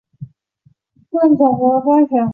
穆勒在这里上小学和中学。